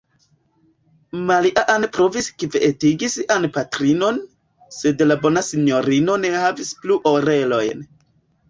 Maria-Ann provis kvietigi sian patrinon, sed la bona sinjorino ne havis plu orelojn.